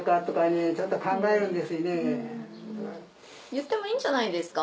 言ってもいいんじゃないですか？